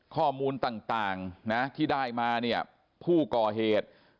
ข้อมูลต่างนะที่ได้มาเนี่ยผู้ก่อเหตุ